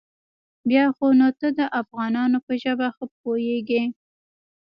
بيا خو نو ته د افغانانو په ژبه ښه پوېېږې.